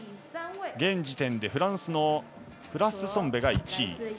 現時点で、フランスのフラッスソムベが１位。